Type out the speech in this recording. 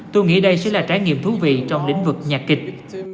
tôi nghĩ đây sẽ là trải nghiệm thú vị trong lĩnh vực nhạc kịch